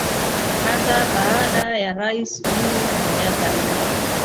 Hata baada ya Rais Uhuru Kenyatta